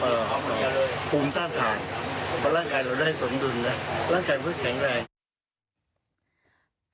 เพราะร่างกายเราได้สมดุลร่างกายมันคือแข็งแรง